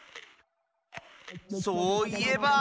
そういえば。